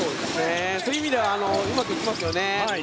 そういう意味ではうまくいってますよね。